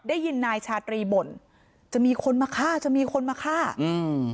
ได้ยินนายชาตรีบ่นจะมีคนมาฆ่าจะมีคนมาฆ่าอืม